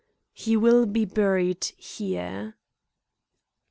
"He will be buried here."